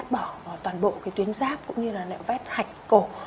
bỏ toàn bộ cái tuyến giáp cũng như là nạo vét hạch cổ